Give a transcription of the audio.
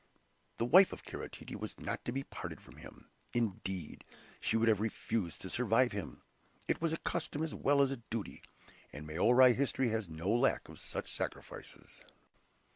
The wife of Kara Tete was not to be parted from him; indeed, she would have refused to survive him. It was a custom, as well as a duty, and Maori history has no lack of such sacrifices.